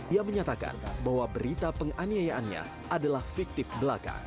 ia menyatakan bahwa berita penganiayaannya adalah fiktif belaka